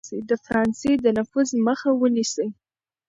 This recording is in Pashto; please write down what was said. د فرانسې د نفوذ مخه ونیسي.